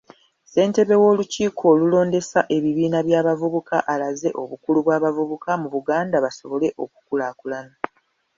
Ssentebe w'olukiiko olulondesa ebibiina by' abavubuka alaze obukulu bw'abavubuka mu Buganda basobole okukulaakulana.